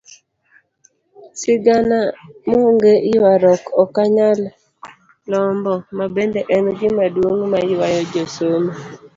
Sigana monge yuaruok okanyal lombo mabende en gima duong' mayuayo josomo.